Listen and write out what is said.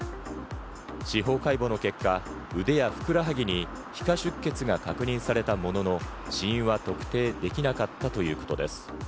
司法解剖の結果、腕やふくらはぎに皮下出血が確認されたものの、死因は特定できなかったということです。